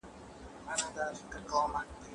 زه به اوږده موده سينه سپين کړی وم؟!